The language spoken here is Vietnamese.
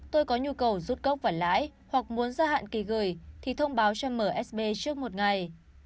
tôi có nhu cầu rút cốc và lãi hoặc muốn gia hạn kỳ gửi thì thông báo cho msb trước một ngày